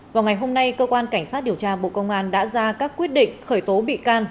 vào ngày hôm nay cơ quan cảnh sát điều tra bộ công an đã ra các quyết định khởi tố bị can